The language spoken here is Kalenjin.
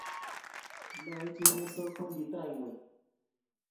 Loei chepyosok, wendi tai ngweny